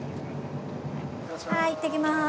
はいいってきます。